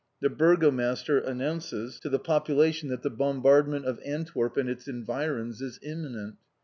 "The Burgomaster announces to the population that the bombardment of Antwerp and its environs is imminent.